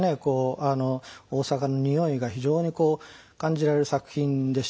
大阪のにおいが非常に感じられる作品でして。